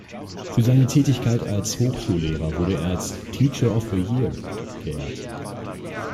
Für seine Tätigkeit als Hochschullehrer wurde er als „Teacher of the Year“ geehrt.